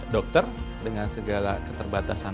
dokter dengan segala keterbatasan